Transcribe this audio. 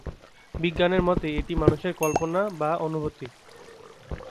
বিজ্ঞানের মতে এটি মানুষের কল্পনা বা অনুভূতি।